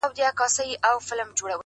دا دی گيلاس چي تش کړؤ دغه دی توبه کومه!